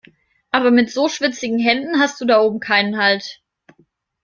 Aber mit so schwitzigen Händen hast du da oben keinen Halt.